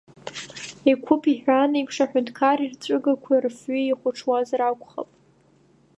Еқәыԥ иҳәан еиԥш, аҳәынҭқар ирҵәыгақәа рыфҩы иахәаҽуазар акәхап!